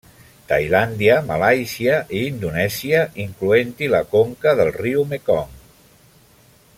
Tailàndia, Malàisia i Indonèsia, incloent-hi la conca del riu Mekong.